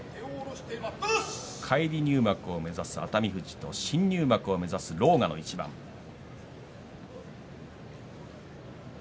返り入幕を目指す熱海富士と新入幕を目指す狼雅の一番です。